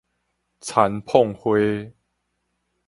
田椪花